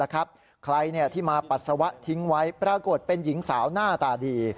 ใครที่มาปัสสาวะทิ้งไว้ปรากฏเป็นหญิงสาวหน้าตาดี